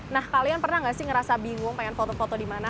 nah kalian pernah nggak sih ngerasa bingung pengen foto foto di mana